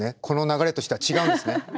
この流れとしては違うんですね。